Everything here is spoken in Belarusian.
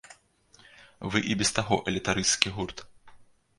Вы і без таго элітарысцскі гурт.